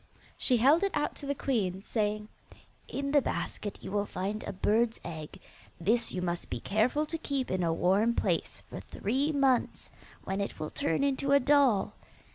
She held it out to the queen, saying, 'In the basket you will find a bird's egg. This you must be careful to keep in a warm place for three months, when it will turn into a doll.